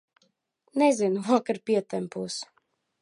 Nezinu, vakar pietempos.